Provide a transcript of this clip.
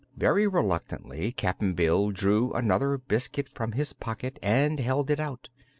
Very reluctantly Cap'n Bill drew another biscuit from his pocket and held it out.